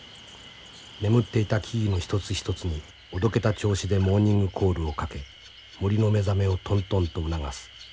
眠っていた木々の一つ一つにおどけた調子でモーニングコールをかけ森の目覚めをトントンと促す。